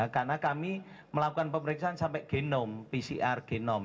karena kami melakukan pemeriksaan sampai genom pcr genom